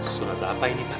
surat apa ini pak